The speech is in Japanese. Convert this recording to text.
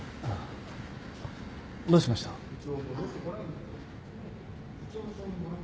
どうしました？あっ。